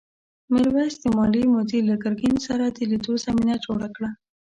میرويس د مالیې مدیر له ګرګین سره د لیدو زمینه جوړه کړه.